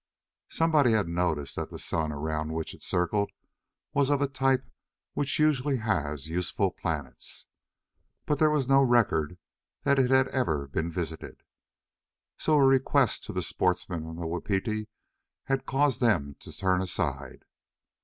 Somebody had noticed that the sun around which it circled was of a type which usually has useful planets, but there was no record that it had ever been visited. So a request to the sportsmen on the Wapiti had caused them to turn aside.